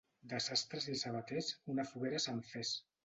De sastres i sabaters, una foguera se'n fes.